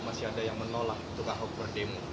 masih ada yang menolak untuk ahok berdemo